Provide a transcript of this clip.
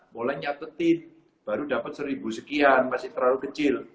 mulai nyatetin baru dapat seribu sekian masih terlalu kecil